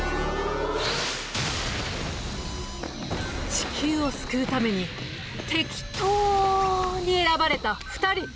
地球を救うためにてきとうに選ばれた２人。